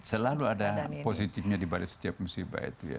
iya selalu ada positifnya di balik setiap musibah itu ya